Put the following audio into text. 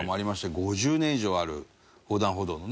５０年以上ある横断歩道のね。